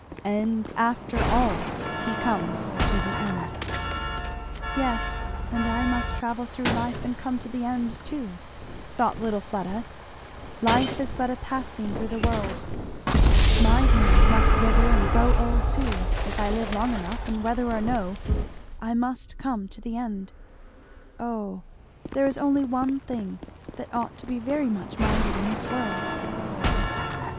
And after all, he comes to the end. "Yes, and I must travel through life and come to the end, too," thought little Fleda, "life is but a passing through the world; my hand must wither and grow old too, if I live long enough, and whether or no, I must come to the end. Oh, there is only one thing that ought to be very much minded in this world!"